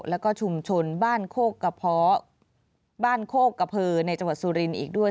แล้วก็ชุมชนบ้านโคกกะเพอในจังหวัดสุรินทร์อีกด้วย